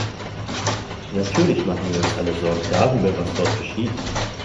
Natürlich machen wir uns alle Sorgen darüber, was dort geschieht.